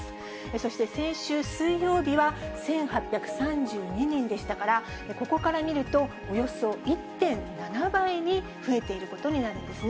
そして先週水曜日は１８３２人でしたから、ここから見ると、およそ１．７倍に増えていることになるんですね。